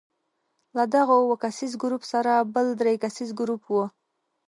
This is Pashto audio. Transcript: له دغو اووه کسیز ګروپ سره بل درې کسیز ګروپ وو.